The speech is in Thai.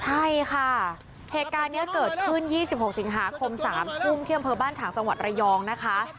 เหตุการณ์นี้เกิดขึ้น๒๖สิงหาคม๓ภูมิเที่ยมเพิ่มบ้านฉางจังหวัดระยองนะคะ